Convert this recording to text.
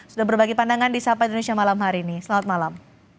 sudah berbagi pandangan di sapa indonesia malam hari ini selamat malam